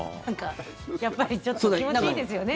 やっぱりちょっと気持ちいいですよね。